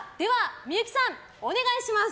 幸さん、お願いします！